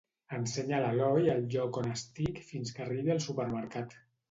Ensenya a l'Eloi el lloc on estic fins que arribi al supermercat.